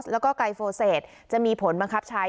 แล้วก็กลายฟอเสจจะมีผลบังครับใช้